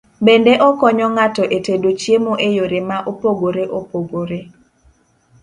Bende okonyo ng'ato e tedo chiemo e yore ma opogore opogore.